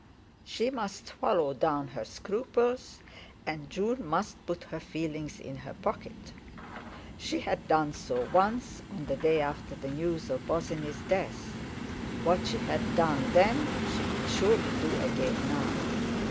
She must swallow down her scruples, and June must put her feelings in her pocket. She had done so once, on the day after the news of Bosinney's death; what she had done then, she could surely do again now.